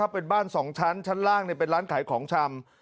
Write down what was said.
เป็นบ้าน๒ชั้นชั้นล่างเป็นร้านขายของชำ